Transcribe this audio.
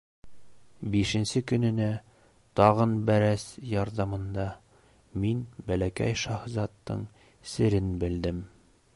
Бишенсе көнөнә, тағын бәрәс ярҙамында, мин Бәләкәй шаһзаттың серен белдем.